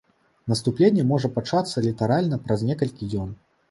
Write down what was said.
Наступленне можа пачацца літаральна праз некалькі дзён.